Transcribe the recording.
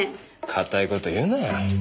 固い事言うなよ。